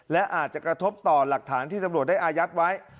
และอาจจะกระทบต่อหลักฐานที่ตำรวจได้อายัดไว้